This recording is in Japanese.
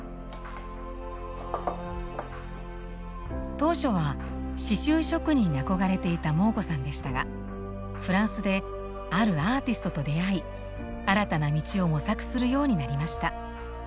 当初は刺しゅう職人に憧れていたモー子さんでしたがフランスであるアーティストと出会い新たな道を模索するようになりました。